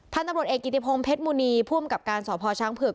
ท่านตำรวจเอกกิติพงเพชรมูนีผู้อำนาจการสอบพอร์ช้างเผือก